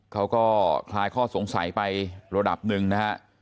เขาก็คลายข้อสงสัยไประดับหนึ่งนะฮะ